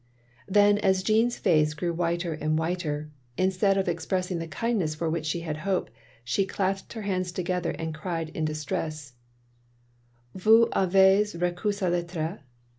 " Then as Jeanne's face grew whiter and whiter, instefad of expressing the kindness for which she had hoped, she clasped her hands together and cried in distress: " Vous avez reffu sa lettre?"